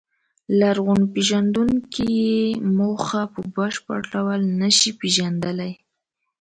لرغونپېژندونکي یې موخه په بشپړ ډول نهشي پېژندلی.